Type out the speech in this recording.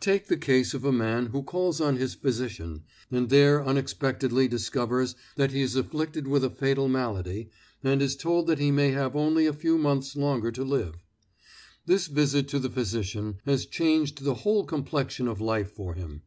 Take the case of a man who calls on his physician, and there unexpectedly discovers that he is afflicted with a fatal malady, and is told that he may have only a few months longer to live. This visit to the physician has changed the whole complexion of life for him.